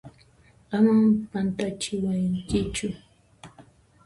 Aman pantachiwankichu!